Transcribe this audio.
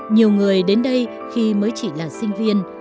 nhiều người đến đây khi mới chỉ là sinh viên